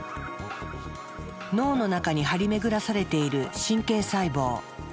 脳の中に張り巡らされている神経細胞。